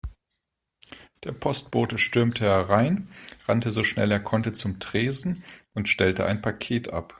Der Postbote stürmte herein, rannte so schnell er konnte zum Tresen und stellte ein Paket ab.